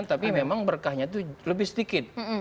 tapi memang berkahnya itu lebih sedikit